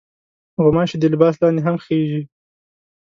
غوماشې د لباس لاندې هم خېژي.